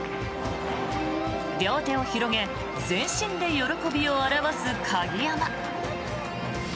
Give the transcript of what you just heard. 両手を広げ全身で喜びを表す鍵山。